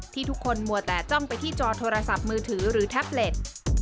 ทุกคนมัวแต่จ้องไปที่จอโทรศัพท์มือถือหรือแท็บเล็ต